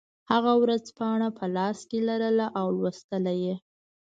هغه ورځپاڼه په لاس کې لرله او لوستله یې